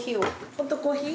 ホットコーヒー？